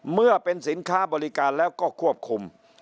เมื่อเป็นสินค้าบริการแล้วก็ควบคุม